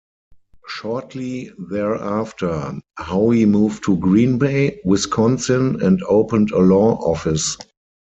Shortly thereafter, Howe moved to Green Bay, Wisconsin, and opened a law office.